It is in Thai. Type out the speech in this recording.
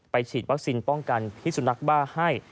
ฉีดวัคซีนป้องกันพิสุนักบ้าให้